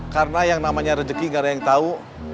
karena yang namanya rezeki gak ada yang tahu